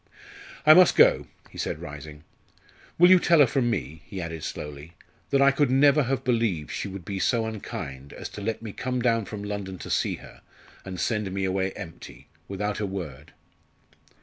"I must go," he said, rising. "Will you tell her from me," he added slowly, "that I could never have believed she would be so unkind as to let me come down from London to see her, and send me away empty without a word?"